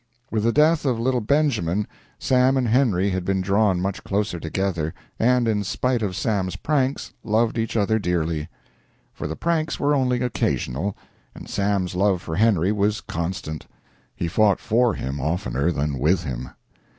With the death of little Benjamin, Sam and Henry had been drawn much closer together, and, in spite of Sam's pranks, loved each other dearly. For the pranks were only occasional, and Sam's love for Henry was constant. He fought for him oftener than with him.